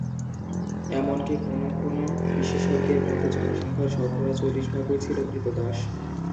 এমনকি কোনো কোনো বিশেষজ্ঞের মতে জনসংখ্যার শতকরা চল্লিশভাগই ছিল কৃতদাস।